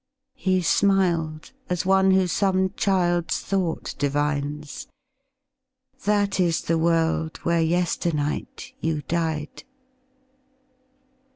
He smiled as one who some child's thought divines: "That is the world where yesternight you died."